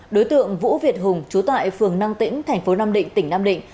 đối tượng vũ việt hùng trú tại phường năng tĩnh thành phố nam định tỉnh nam định